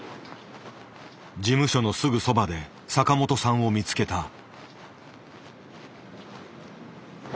事務所のすぐそばで坂本さんを見つけた。